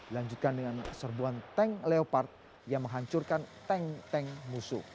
dilanjutkan dengan serbuan tank leopard yang menghancurkan tank tank musuh